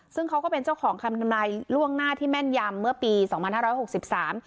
ซึ่งเขาก็เป็นเจ้าของคำทำนายล่วงหน้าที่แม่นยำเมื่อปีสองพันห้าร้อยหกสิบสาม